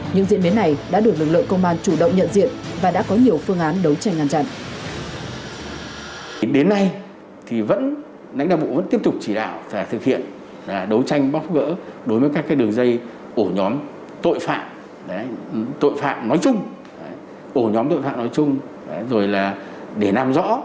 những diễn biến này đã được lực lượng công an chủ động nhận diện